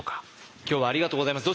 今日はありがとうございます。